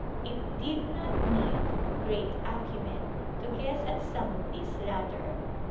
It did not need great acumen to guess at some of these latter.